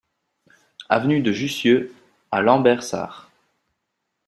Avenue de Jussieu à Lambersart